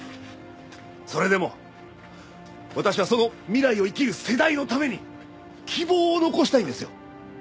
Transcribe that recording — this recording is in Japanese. それでも私はその未来を生きる世代のために希望を残したいんですよ！